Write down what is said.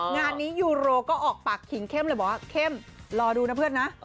งานนี้ยูโรก็ออกปากขิงเข้มเลยบอกว่าเข้มรอดูนะเพื่อนนะ